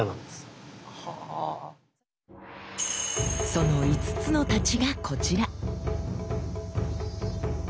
その五津之太刀がこちら！